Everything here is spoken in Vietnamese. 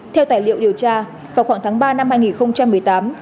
theo tài liệu điều tra vào khoảng tháng ba năm hai nghìn một mươi tám